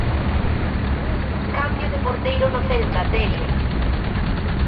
Cambio de porteiro no Celta, Terio.